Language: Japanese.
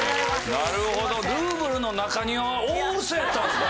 なるほどルーブルの中庭は大ウソやったんですね。